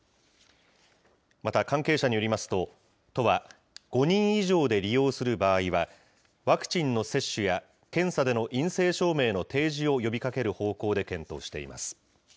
また関係者によりますと、都は、５人以上で利用する場合は、ワクチンの接種や検査での陰性証明の提示を呼びかける方向で検討しています。